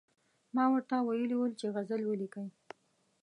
ما ورته ویلي ول چې غزل ولیکئ.